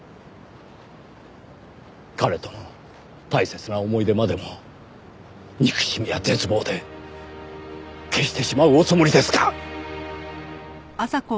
彼との大切な思い出までも憎しみや絶望で消してしまうおつもりですか！？